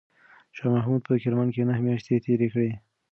شاه محمود په کرمان کې نهه میاشتې تېرې کړې.